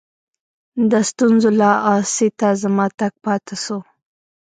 د ستونزو له آسیته زما تګ پاته سو.